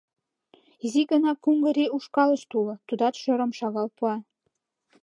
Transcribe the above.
Изи гына куҥгырий ушкалышт уло, тудат шӧрым шагал пуа.